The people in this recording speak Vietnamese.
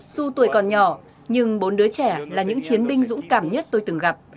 dù tuổi còn nhỏ nhưng bốn đứa trẻ là những chiến binh dũng cảm nhất tôi từng gặp